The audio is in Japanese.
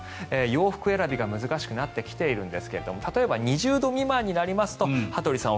洋服選びが難しくなってきているんですが例えば、２０度未満になりますと羽鳥さん